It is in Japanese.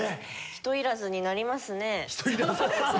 人いらずになりますね。